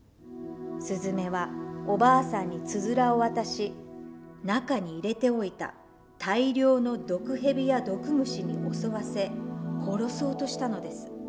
すずめはおばあさんにつづらを渡し中に入れておいた大量の毒蛇や毒虫に襲わせ殺そうとしたのです。